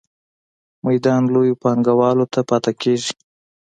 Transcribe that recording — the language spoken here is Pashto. میدان لویو پانګوالو ته پاتې کیږي.